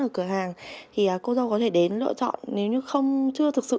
ở cửa hàng thì cô dâu có thể đến lựa chọn nếu như không chưa thực sự